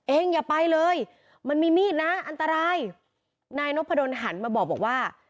อย่าไปเลยมันมีมีดนะอันตรายนายนพดลหันมาบอกว่า